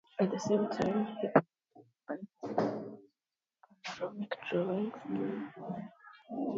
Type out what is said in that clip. At the same time he combined his field maps with panoramic drawings.